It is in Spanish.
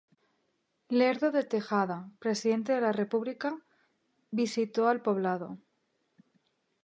Lerdo de Tejada, Presidente de la República, visitó al poblado.